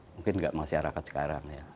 mungkin nggak masyarakat sekarang ya